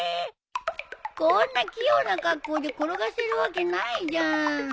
こんな器用な格好で転がせるわけないじゃん。